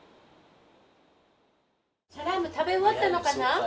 サラーム食べ終わったのかな？